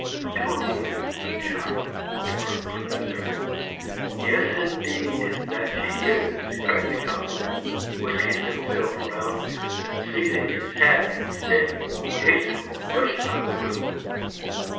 "Antonia is a good child," remarked the Professor. "Yes, indeed, that she is," cried the Councillor, whisking himself round; then, seizing his hat and stick, he hastily rushed out of the room.